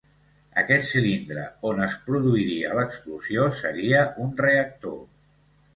Aquest cilindre on es produiria l'explosió seria un reactor.